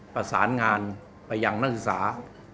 ประสานงานไปยังนักศึกษา